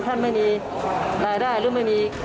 ท่านไม่มีรายได้หรือไม่มี